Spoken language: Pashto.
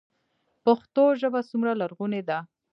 پښتو ژبه څومره لرغونې ده؟